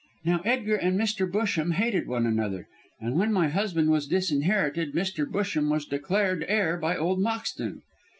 Now, Edgar and Mr. Busham hated one another, and when my husband was disinherited Mr. Busham was declared heir by old Moxton.